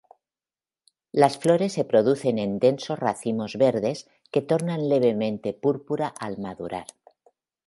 Las flores se producen en densos racimos verdes que tornan levemente púrpura al madurar.